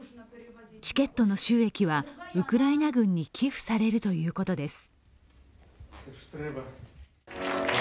チケットの収益はウクライナ軍に寄付されるということです。